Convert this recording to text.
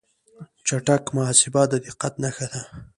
چټک محاسبه د دقت نښه ده.